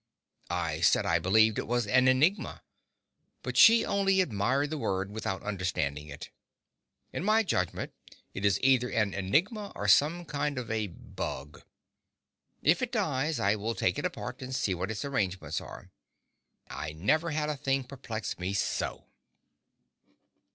I said I believed it was an enigma, but she only admired the word without understanding it. In my judgment it is either an enigma or some kind of a bug. If it dies, I will take it apart and see what its arrangements are. I never had a thing perplex me so.